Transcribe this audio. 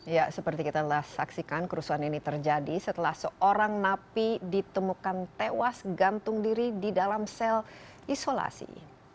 ya seperti kita saksikan kerusuhan ini terjadi setelah seorang napi ditemukan tewas gantung diri di dalam sel isolasi